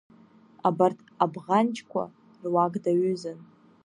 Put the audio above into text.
Абарҭ абӷанҷқәа руак даҩызан.